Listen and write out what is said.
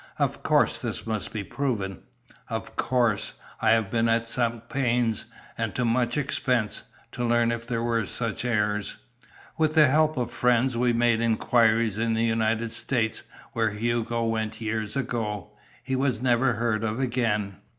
Of course this must be proven." "Of course, I have been at some pains, and to much expense, to learn if there were such heirs. With the help of friends we made inquiry in the United States, where Hugo went years ago. He was never heard of again."